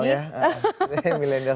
saya dong ya